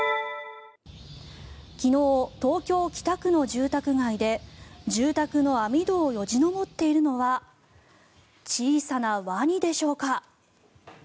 昨日、東京・北区の住宅街で住宅の網戸をよじ登っているのは小さなワニでしょうか。